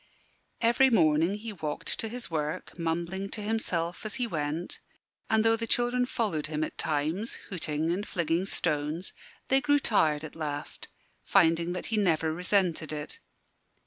Every morning he walked to his work, mumbling to himself as he went; and though the children followed him at times, hooting and flinging stones, they grew tired at last, finding that he never resented it.